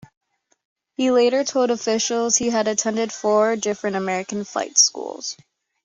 He later told officials he had attended four different American flight schools.